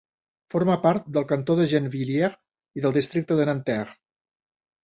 Forma part del cantó de Gennevilliers i del districte de Nanterre.